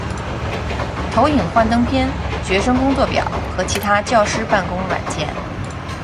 投影幻灯片、学生工作表和其他教师用办公软件。